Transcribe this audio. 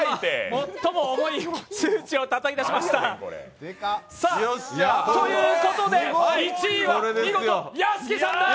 最も重い数値をたたき出しました！ということで、１位は見事屋敷さんです。